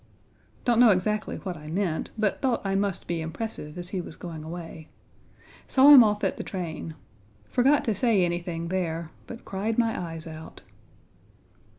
Don't know exactly what I meant, but thought I must be impressive as he was going away. Saw him off at the train. Forgot to say anything there, but cried my eyes out.